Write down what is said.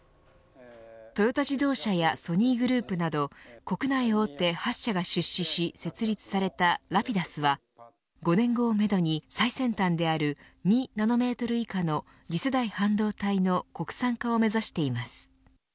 トヨタ自動車やソニーグループなど国内大手８社が出資し設立されたＲａｐｉｄｕｓは５年後をめどに最先端である２ナノメートル以下の次世代半導体の国産化を目指しています。